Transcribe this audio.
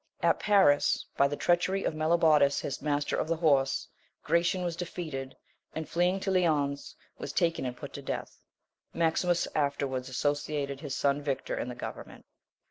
At Paris, by the treachery of Mellobaudes, his master of the horse, Gratian was defeated and fleeing to Lyons, was taken and put to death; Maximus afterwards associated his son victor in the government.